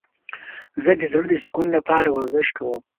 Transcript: زه د زړه د سکون لپاره ورزش کوم.